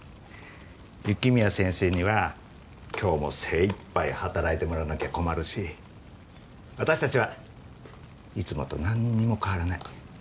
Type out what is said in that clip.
雪宮先生には今日も精いっぱい働いてもらわなきゃ困るし私たちはいつもとなんにも変わらない。